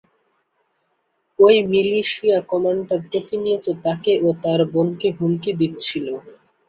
ঐ militia commander প্রতিনিয়ত তাকে ও তার বোনকে হুমকি দিচ্ছিল।